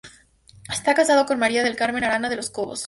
Está casado con María del Carmen Arana de los Cobos.